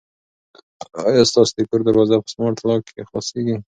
آیا ستاسو د کور دروازه په سمارټ لاک خلاصیږي؟